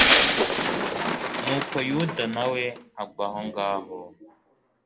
nuko yuda na we agwa aho ngaho